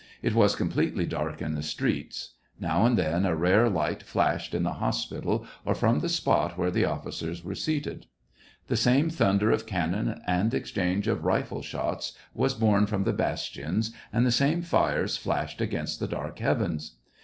It was completely dark in the streets ; now and then, a rare light flashed in the hospital or from the spot where the officers were seated. The same thunder of cannon and exchange of rifle shots was borne from the bastions, and the same fires flashed against the dark heavens.